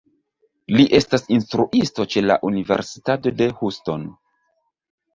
Li estas instruisto ĉe la Universitato de Houston.